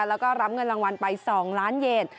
แล้วก็รับเงินรางวัลไป๒ล้านเยน